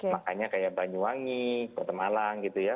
makanya kayak banyuwangi kota malang gitu ya